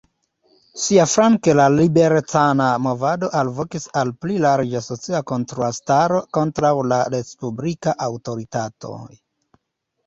Siaflanke la liberecana movado alvokis al pli larĝa socia kontraŭstaro kontraŭ la respublikaj aŭtoritatoj.